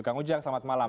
kang ujang selamat malam